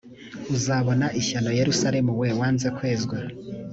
uzabona ishyano yerusalemu we wanze kwezwa